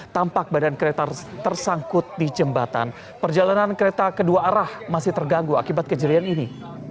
tampak badan kereta tersangkut di jembatan perjalanan kereta kedua arah masih terganggu akibat kejadian ini